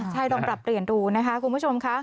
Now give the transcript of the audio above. ใช่ลองปรับเปลี่ยนดูนะคะคุณผู้ชมค่ะ